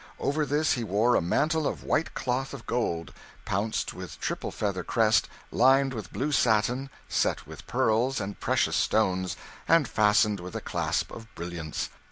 Over this he wore a mantle of white cloth of gold, pounced with the triple feathered crest, lined with blue satin, set with pearls and precious stones, and fastened with a clasp of brilliants.